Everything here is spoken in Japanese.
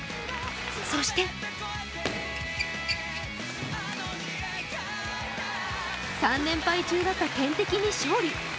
そして３連敗中だった天敵に勝利。